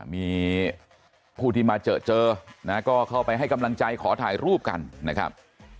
มีผู้ที่มาเจอเจอนะก็เข้าไปให้กำลังใจขอถ่ายรูปกันนะครับ